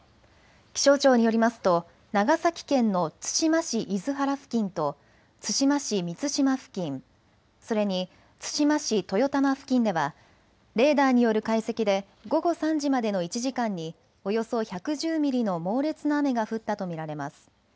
気象庁によりますと長崎県の対馬市厳原付近と対馬市美津島付近、それに対馬市豊玉付近ではレーダーによる解析で午後３時までの１時間におよそ１１０ミリの猛烈な雨が降ったと見られます。